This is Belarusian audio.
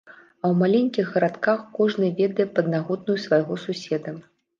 А ў маленькіх гарадках кожны ведае паднаготную свайго суседа.